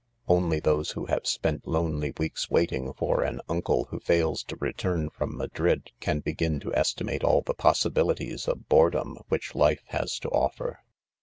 Only those who have spent lonely weeks waiting for an uncle who fails to return from Madrid can begin to estimate all the possibilities of boredom which life has to offer.